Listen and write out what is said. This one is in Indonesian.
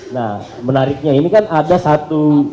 nah menariknya ini kan ada satu